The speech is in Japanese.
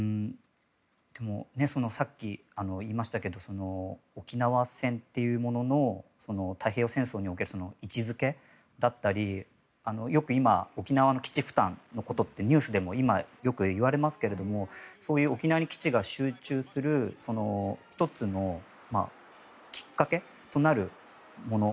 さっき言いましたけど沖縄戦というものの太平洋戦争における位置づけだったりよく今沖縄の基地負担のことってニュースでもよく言われますけれども沖縄に基地が集中する１つのきっかけとなるもの。